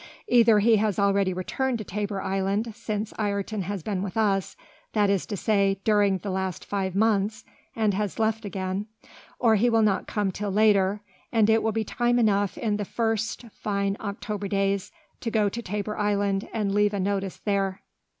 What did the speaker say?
Either he has already returned to Tabor Island, since Ayrton has been with us, that is to say, during the last five months and has left again; or he will not come till later, and it will be time enough in the first fine October days to go to Tabor Island, and leave a notice there."